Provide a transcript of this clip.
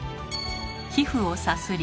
皮膚をさすり。